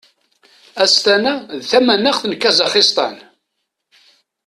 Astana d tamanaxt n Kazaxistan.